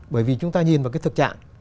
bởi vì chúng ta nhìn vào cái thực trạng